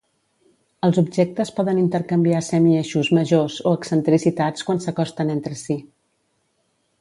Els objectes poden intercanviar semieixos majors o excentricitats quan s'acosten entre si.